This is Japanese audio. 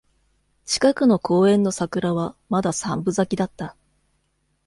近くの公園の桜はまだ三分咲きだった